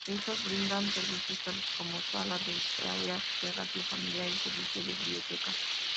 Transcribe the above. Estos brindan servicios tales como: Sala de tareas, terapia familiar y servicio de biblioteca.